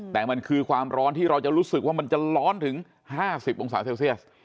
แต่มันคือความร้อนที่เราจะรู้สึกว่ามันจะร้อนถึง๕๐องศาเซลเซียส